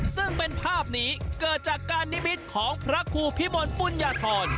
ซึ่งเป็นภาพนี้เกิดจากการนิมิตของพระครูพิมลปุญญาธร